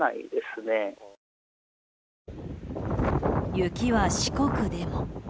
雪は四国でも。